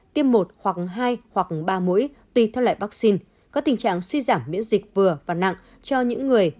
tiêm một hoặc hai hoặc ba mũi tùy theo loại vaccine có tình trạng suy giảm miễn dịch vừa và nặng cho những người